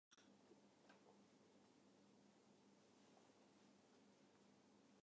どうしたら良いのだろう